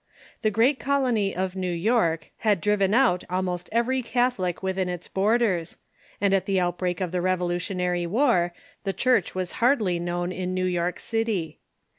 The great colony of New York had driven out almost every Cath olic within its borders, and at the outbreak of the Revolution ary "War the Church was hardly known in New York City.